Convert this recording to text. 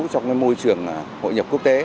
trong môi trường hội nhập quốc tế